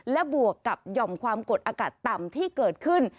และบวกกับหย่อมความกดอากาศต่ำที่เกิดขึ้น